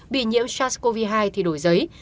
bị nhiễm sars cov hai thì đổi giấy